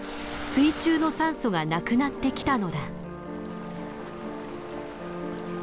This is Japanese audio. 水中の酸素がなくなってきたのだ。